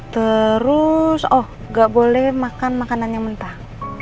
terus oh nggak boleh makan makanan yang mentah